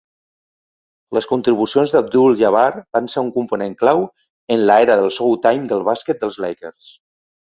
Les contribucions d'Abdul-Jabbar van ser un component clau en l'era del "Showtime" del bàsquet dels Lakers.